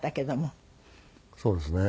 そうですね。